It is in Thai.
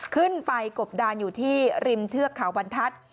ขึ้นไปกบดานอยู่ที่ริมเทือกเขาบรรทัศน์